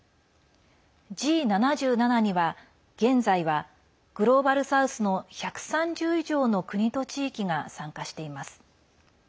Ｇ７７には現在はグローバル・サウスの１３０以上の国と地域が参加しています。